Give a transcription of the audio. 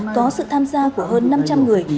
có sự tham gia của hơn năm trăm linh người